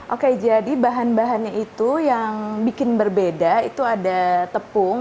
oke jadi bahan bahannya itu yang bikin berbeda itu ada tepung